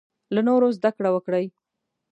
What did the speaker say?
له نورو زده کړه وکړې.